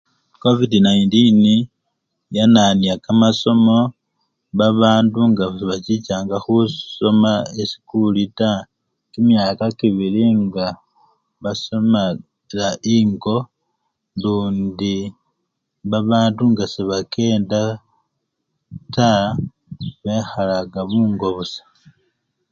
Covid-19 yanyanya kamasomo, babandu nga sebachichanga khusoma esikuli taa, kimyaka kibili nga basoma! taa! engo lundi babandu nga sebakenda taa bekhalanga mungo busa.